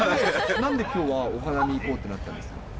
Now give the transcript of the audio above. なんできょうはお花見行こうってなったんですか？